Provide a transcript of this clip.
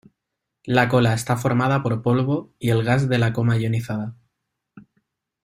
La cola está formada por polvo y el gas de la coma ionizada.